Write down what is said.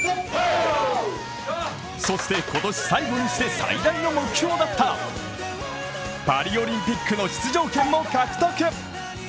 そして今年最後にして最大の目標だったパリオリンピックの出場権も獲得。